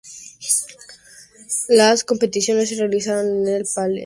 Las competiciones se realizaron en el Palais Omnisports de Paris-Bercy.